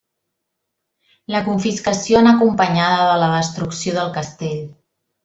La confiscació anà acompanyada de la destrucció del castell.